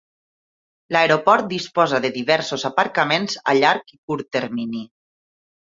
L'aeroport disposa de diversos aparcaments a llarg i curt termini.